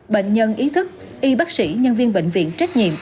bệnh nhân ý thức y bác sĩ nhân viên bệnh viện trách nhiệm